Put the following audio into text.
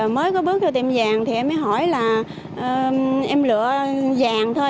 mới có bước theo tiệm vàng thì em mới hỏi là em lựa vàng thôi